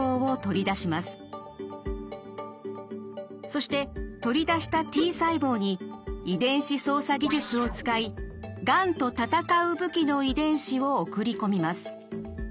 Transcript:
そして取り出したＴ細胞に遺伝子操作技術を使いがんと戦う武器の遺伝子を送り込みます。